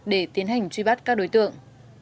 để tiến hành truy bắt các đối tượng